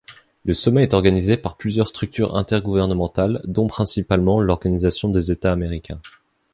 Le sommet est organisé par plusieurs structures intergouvernementales dont principalement l'Organisation des États américains.